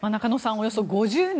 およそ５０年